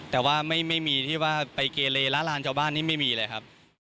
แต่ว่าไม่มีที่ว่าไปเกเลละลานชาวบ้านนี่ไม่มีเลยครับ